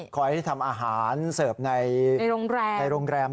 คอยทำอาหารเสิร์ฟในโรงแรม